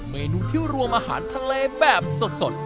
เมนูที่รวมอาหารทะเลแบบสด